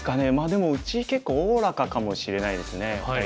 でもうち結構おおらかかもしれないですね２人とも。